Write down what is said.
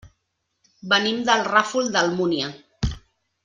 Venim del Ràfol d'Almúnia.